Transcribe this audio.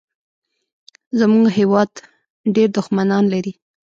زمونږ هېواد ډېر دوښمنان لري